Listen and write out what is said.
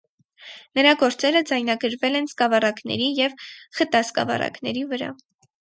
Նրա գործերը ձայնագրվել են սկավառակների և խտասկավառակների վրա։